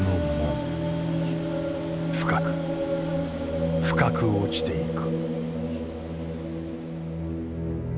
深く深く落ちていく。